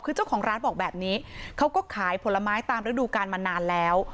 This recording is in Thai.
คือเจ้าของร้านบอกแบบนี้เขาก็ขายผลไม้ตามฤดูการมานานแล้ว